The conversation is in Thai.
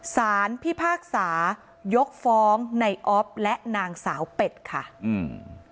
สารพิพากษายกฟ้องในออฟและนางสาวเป็ดค่ะอืม